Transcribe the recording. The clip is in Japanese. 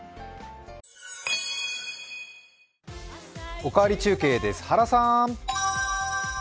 「おかわり中継」です原さん。